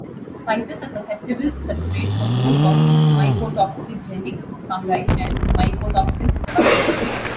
Spices are susceptible substrate for growth of mycotoxigenic fungi and mycotoxin production.